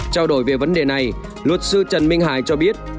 trao đổi về vấn đề này luật sư trần minh hải cho biết